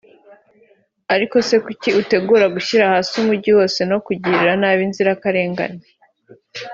ariko se kuki utegura gushyira hasi Umujyi wose no kugirira nabi inzirakarengane